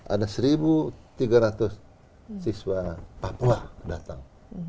ada satu tiga ratus siswa papua datang